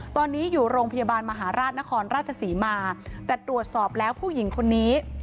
ตอนนี้อยู่โรงพยาบาลมหาราชนครราชศรีมาแต่ตรวจสอบแล้วผู้หญิงคนนี้